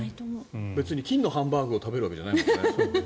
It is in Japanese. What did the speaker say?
別に、金のハンバーグを食べるわけじゃないもんね。